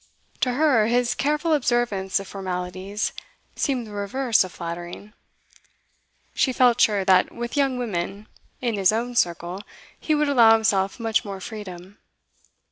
To her, his careful observance of formalities seemed the reverse of flattering; she felt sure that with young women in his own circle he would allow himself much more freedom.